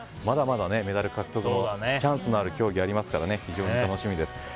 まだまだメダル獲得のチャンスのある競技がありますから非常に楽しみです。